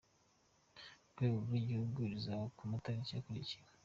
Ku rwego rw’igihugu rizaba ku matariki akurikira:.